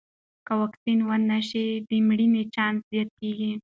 که واکسین ونه شي، د مړینې چانس زیاتېږي.